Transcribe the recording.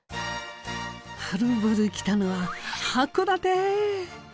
はるばる来たのは函館。